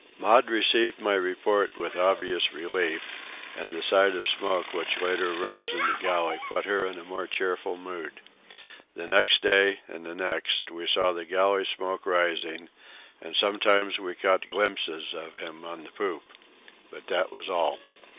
Maud received my report with obvious relief, and the sight of smoke which later rose in the galley put her in a more cheerful mood. The next day, and the next, we saw the galley smoke rising, and sometimes we caught glimpses of him on the poop. But that was all.